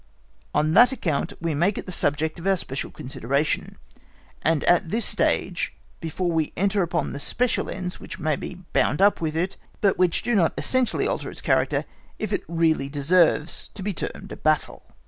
_ On that account we make it the subject of our special consideration, and at this stage before we enter upon the special ends which may be bound up with it, but which do not essentially alter its character if it really deserves to be termed a battle.